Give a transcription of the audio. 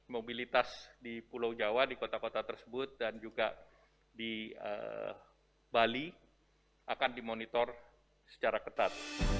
mobilitas di pulau jawa di kota kota tersebut dan juga di bali akan dimonitor secara ketat